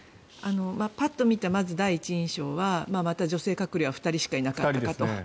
パッと見た第一印象はまた女性閣僚は２人しかいなかったと。